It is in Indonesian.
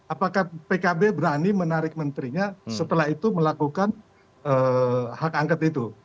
apakah pkb berani menarik menterinya setelah itu melakukan hak angket itu